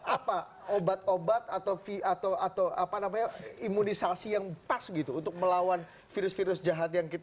apa obat obat atau apa namanya imunisasi yang pas gitu untuk melawan virus virus jahat yang kita